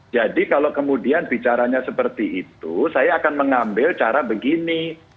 jadi kalau kemudian bicaranya seperti itu saya akan mengambil cara begini